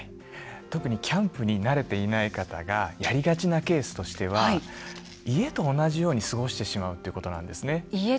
特にキャンプに慣れていない方がやりがちなケースとしては家と同じように過ごしてしまうということことなんですね。